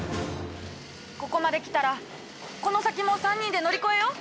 ここまできたらこの先も３人で乗り越えよう！